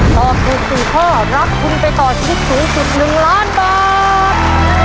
ตอบถูก๔ข้อรับทุนไปต่อชีวิตสูงสุด๑ล้านบาท